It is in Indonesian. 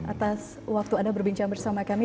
atas waktu anda berbincang bersama kami